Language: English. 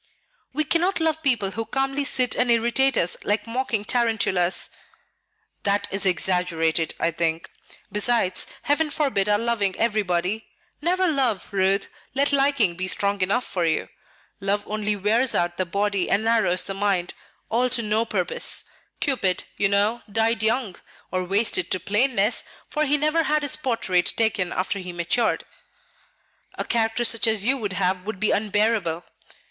"We cannot love people who calmly sit and irritate us like mocking tarantulas." "That is exaggerated, I think. Besides, Heaven forbid our loving everybody! Never love, Ruth; let liking be strong enough for you. Love only wears out the body and narrows the mind, all to no purpose. Cupid, you know, died young, or wasted to plainness, for he never had his portrait taken after he matured." "A character such as you would have would be unbearable."